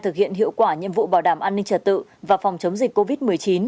thực hiện hiệu quả nhiệm vụ bảo đảm an ninh trật tự và phòng chống dịch covid một mươi chín